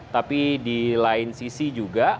tapi di lain sisi juga